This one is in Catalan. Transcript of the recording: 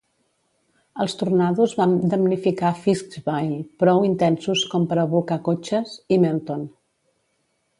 Els tornados van damnificar Fiskville, prou intensos com per a bolcar cotxes, i Melton.